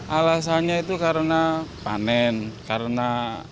alasannya itu karena panen karena